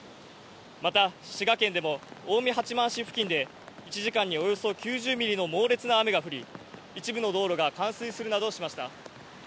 また滋賀県でも近江八幡市付近で１時間におよそ９０ミリの猛烈な雨が降り、一部の道路が冠水するなどしました。